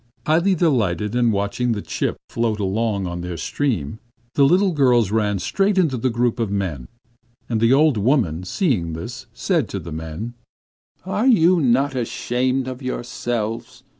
Highly delighted, and watching the chip float along on their stream, the little girls ran straight into the group of men; and the old woman, seeing them, said to the men: 'Are you not ashamed of yourselves?